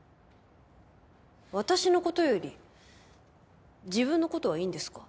私の事より自分の事はいいんですか？